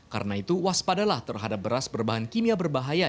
karena itu waspadalah terhadap beras berbahan kimia berbahaya